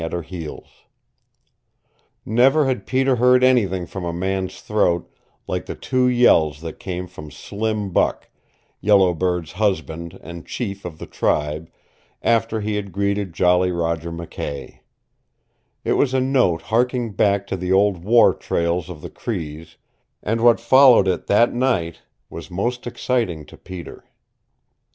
[Illustration: They hurred to the camp, the children racing ahead to tell the news] Never had Peter heard anything from a man's throat like the two yells that came from Slim Buck, Yellow Bird's husband and chief of the tribe, after he had greeted Jolly Roger McKay. It was a note harking back to the old war trails of the Crees, and what followed it that night was most exciting to Peter.